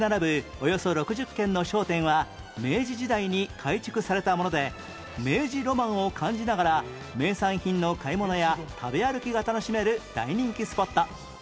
およそ６０軒の商店は明治時代に改築されたもので明治ロマンを感じながら名産品の買い物や食べ歩きが楽しめる大人気スポット